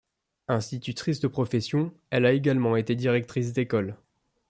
Institutrice de profession, elle a également été directrice d'école.